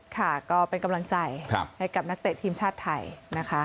ค่ะก็เป็นกำลังใจให้กับนักเตะทีมชาติไทยนะคะ